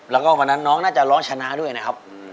แล้วก็วันนั้นน้องน่าจะร้องชนะด้วยนะครับ